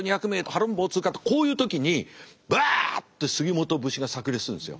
ハロン棒通過とこういう時にバッと杉本節がさく裂するんですよ。